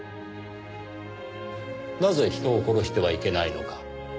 なぜ人を殺してはいけないのか。